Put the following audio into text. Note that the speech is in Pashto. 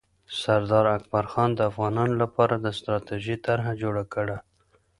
سردار اکبرخان د افغانانو لپاره د ستراتیژۍ طرحه جوړه کړه.